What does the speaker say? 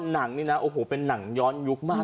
หนังนี้เป็นหนังย้อนยุคมาก